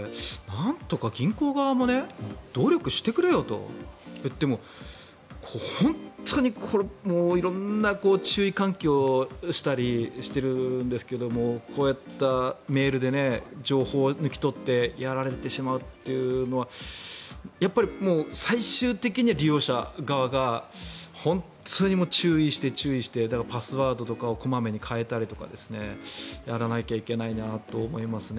なんとか銀行側も努力してくれよと言ってもでも、本当に色んな注意喚起をしたりしてるんですがこうやってメールで情報を抜き取ってやられてしまうというのは最終的には利用者側が注意して、注意してだからパスワードとかを小まめに変えたりとかやらなきゃいけないなと思いますね。